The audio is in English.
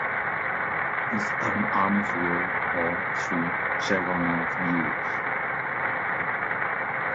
His own arms were: Or, three chevronels gules.